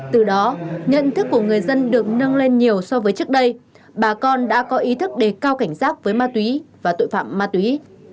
từ đó nhận thức của người dân được nâng lên nhiều so với trước đây bà con đã có ý thức đề cao cảnh giác với ma túy và tội phạm ma túy